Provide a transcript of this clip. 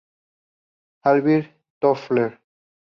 Alvin Toffler.